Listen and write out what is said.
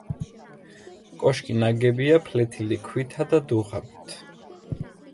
კოშკი ნაგებია ფლეთილი ქვითა და დუღაბით.